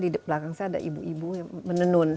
di belakang saya ada ibu ibu yang menenun